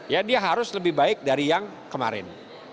ya dia harus lebih baik dari yang kemarin